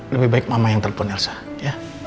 lebih baik mama yang telpon elsa ya